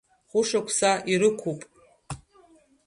Хәышықәса ирықәуп.